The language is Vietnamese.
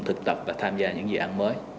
thực tập và tham gia những dự án mới